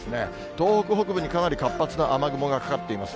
東北北部にかなり活発な雨雲がかかっています。